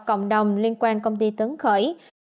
cộng đồng liên quan công ty tứng khởi